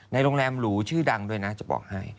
โรงแรมหรูชื่อดังด้วยนะจะบอกให้